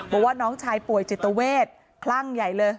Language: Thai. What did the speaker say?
บอกว่าน้องชายป่วยจิตเวทคลั่งใหญ่เลย